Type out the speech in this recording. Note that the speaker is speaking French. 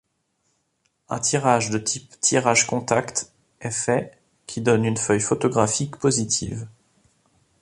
Un tirage de type tirage contact est fait, qui donne une feuille photographique positive.